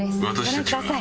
ご覧ください。